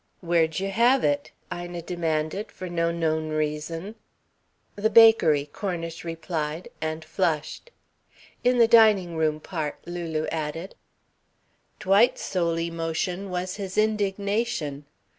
"Where'd you have it?" Ina demanded, for no known reason. "The bakery," Cornish replied, and flushed. "In the dining room part," Lulu added. Dwight's sole emotion was his indignation.